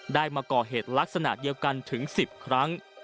มาก่อเหตุลักษณะเดียวกันถึง๑๐ครั้ง